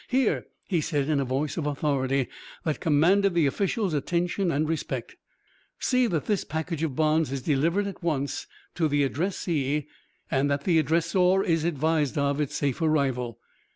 "Here," he said in a voice of authority that commanded the official's attention and respect, "see that this package of bonds is delivered at once to the addressee and that the addressor is advised of its safe arrival.